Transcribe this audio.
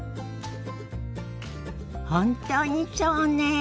本当にそうねえ。